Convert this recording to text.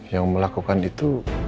yang melakukan itu